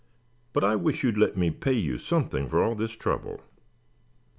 But I wish you'd let me pay you something for all this trouble."